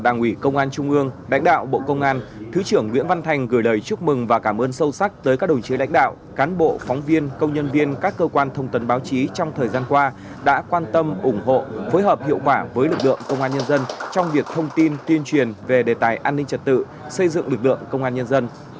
đảng ủy công an trung ương lãnh đạo bộ công an thứ trưởng nguyễn văn thành gửi lời chúc mừng và cảm ơn sâu sắc tới các đồng chí lãnh đạo cán bộ phóng viên công nhân viên các cơ quan thông tấn báo chí trong thời gian qua đã quan tâm ủng hộ phối hợp hiệu quả với lực lượng công an nhân dân trong việc thông tin tuyên truyền về đề tài an ninh trật tự xây dựng lực lượng công an nhân dân